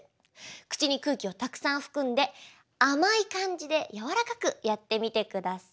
口に空気をたくさん含んで甘い感じで柔らかくやってみてください。